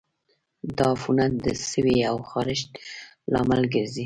دا عفونت د سوي او خارښت لامل ګرځي.